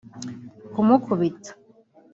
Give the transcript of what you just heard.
kumukubita